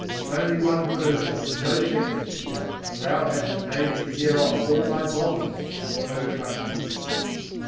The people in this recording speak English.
Only one word and no second and Thou hast made me tear off all my bonds, O Fakir!